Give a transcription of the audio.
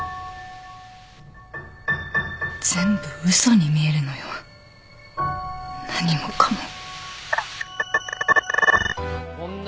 全部嘘に見えるのよ何もかも。